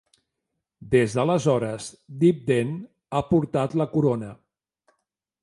Des d'aleshores, Dibden ha portat la Corona.